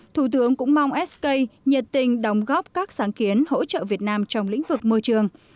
thủ tướng cũng mong sk nhiệt tình đồng góp các sáng kiến hỗ trợ việt nam trong lĩnh vực môi trường